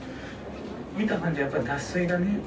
見た感じ、やっぱり脱水だね。